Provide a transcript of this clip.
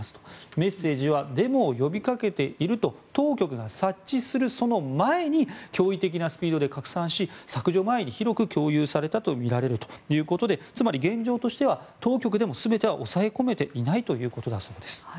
メッセージはデモを呼びかけていると当局が察知するその前に驚異的なスピードで拡散し削除前に広く共有されたとみられるということでつまり、現状としては当局でも全ては抑え込めていないということだそうです。